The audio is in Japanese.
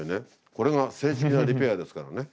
これが正式なリペアですからね。